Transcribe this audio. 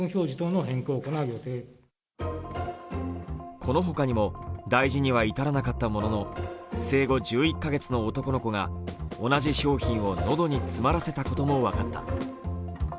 このほかにも大事には至らなかったものの、生後１１カ月の男の子が同じ商品を喉に詰まらせたことも分かった。